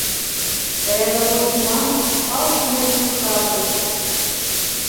Рядовой Иван пал смертью храбрых!